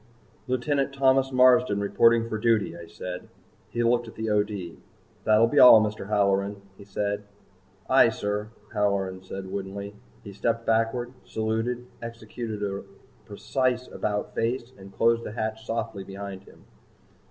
"Lieutenant Thomas Marsden reporting for duty," I said. He looked at the O.D. "That'll be all, Mr. Halloran," he said. "Aye, sir," Halloran said woodenly. He stepped backward, saluted, executed a precise about face and closed the hatch softly behind him.